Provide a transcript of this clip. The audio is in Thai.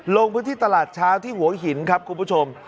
ลงพื้นที่ตลาดเช้าที่หัวหินครับคุณผู้ชม